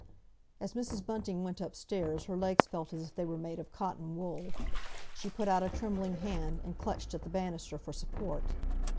As Mrs. Bunting went upstairs her legs felt as if they were made of cotton wool. She put out a trembling hand, and clutched at the banister for support.